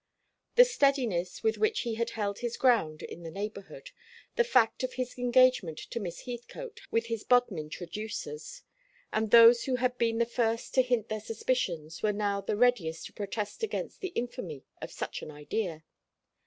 The steadiness with which he had held his ground in the neighbourhood, the fact of his engagement to Miss Heathcote, had weighed with his Bodmin traducers; and those who had been the first to hint their suspicions were now the readiest to protest against the infamy of such an idea.